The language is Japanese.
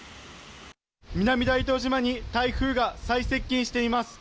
南大東島に台風が最接近しています。